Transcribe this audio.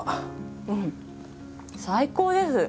うん最高です。